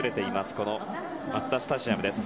このマツダスタジアムです。